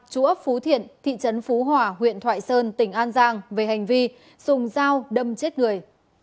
chú ấp phú thiện thị trấn phú hòa huyện thoại sơn tỉnh an giang về hành vi dùng dao đâm chết người